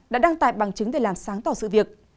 đã đăng tải bằng chứng để làm sáng tỏ sự việc